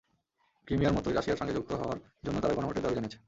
ক্রিমিয়ার মতোই রাশিয়ার সঙ্গে যুক্ত হওয়ার জন্য তারা গণভোটের দাবি জানিয়েছে।